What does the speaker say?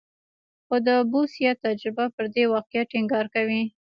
خو د بوسیا تجربه پر دې واقعیت ټینګار کوي.